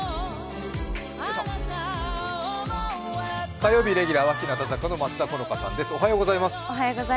火曜レギュラーは日向坂の松田好花さんです。